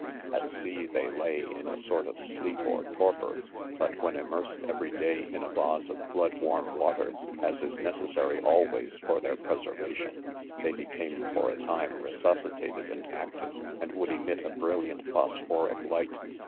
At sea, [ they lay in a sort of sleep or torpor ; hut when immersed, every day, in a vase of blood warm water, (as is mcessary, always for their preservation,) they became, for a time,, resusci tated and active, and would emit. a brilliant phosphoric light.